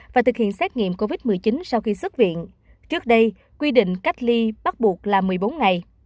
và thực hiện xét nghiệm covid một mươi chín sau khi xuất viện trước đây quy định cách ly bắt buộc là một mươi bốn ngày